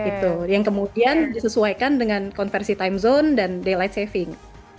itu yang kemudian disesuaikan dengan konversi time zone dan day light saving